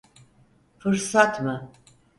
Fırsat mı?